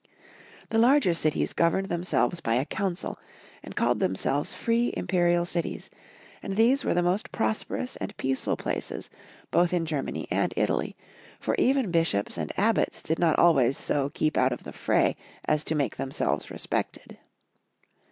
The larger cities governed themselves by a council, and called themselves free Imperial cities, and these were the most prosperous and peaceful places both in Germany and Italy, for even bishops and abbots did not always so keep out of the fray as to make themselves respected.